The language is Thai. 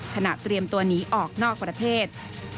เตรียมตัวหนีออกนอกประเทศ